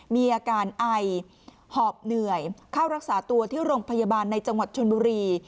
มีอาการไอหอบเหนื่อยเข้ารักษาตัวที่โรงพยาบาลในจังหวัดชนบุรี